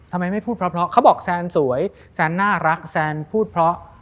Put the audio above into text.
ทำไมไม่พูดเพราะเขาบอกแซนสวยแซนน่ารักแซนพูดเพราะ